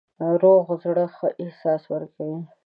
روغ زړه ښه احساس ورکوي.